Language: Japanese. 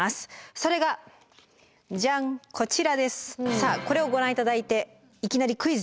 さあこれをご覧頂いていきなりクイズです。